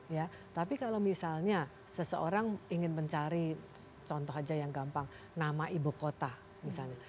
ya tapi kalau misalnya seseorang ingin mencari contoh aja yang gampang nama ibu kota misalnya